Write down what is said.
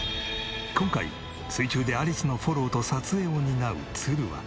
今回水中でアリスのフォローと撮影を担う都留は。